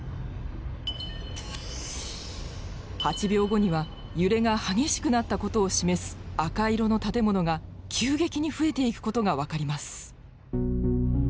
８秒後には揺れが激しくなったことを示す赤色の建物が急激に増えていくことが分かります。